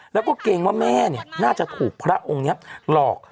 แล้วก็เกรงว่าแม่น่าจะถูกพระองค์นี้หลอก